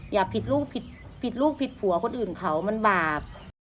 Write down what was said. อย่าผิดลูกผิดลูกผิดผัวคนอื่นเขามันบาป